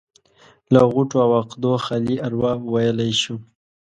له غوټو او عقدو خالي اروا ويلی شو.